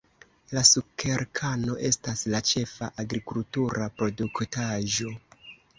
La sukerkano estas la ĉefa agrikultura produktaĵo.